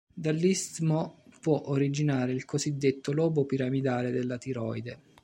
Dall'istmo può originare il cosiddetto lobo piramidale della tiroide.